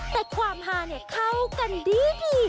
แต่ความหาเข้ากันดี